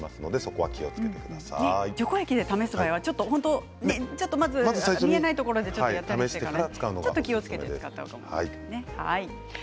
除光液で試す場合は見えないところで、ちょっと試してから気をつけて使った方がいいですね。